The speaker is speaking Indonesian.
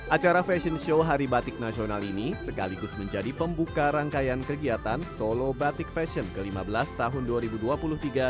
acara fashion show hari batik nasional ini sekaligus menjadi pembuka rangkaian kegiatan solo batik fashion ke lima belas tahunnya